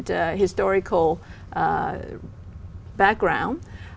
tên tôi là nhung